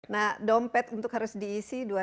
nah dompet untuk harus diisi